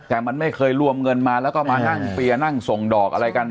แต่มันไม่เคยรวมเงินมาแล้วก็มานั่งเปียร์นั่งส่งดอกอะไรกัน